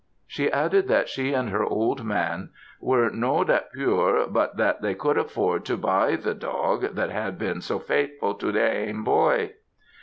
She added that she and her old man "were no that puir but that they could afford to buy the dog that had been so faithful to their ain boy."